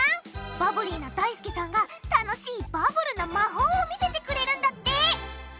バブリーなだいすけさんが楽しいバブルな魔法を見せてくれるんだって！